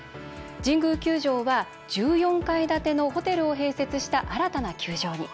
神宮球場は１４階建てのホテルを併設した新たな球場に。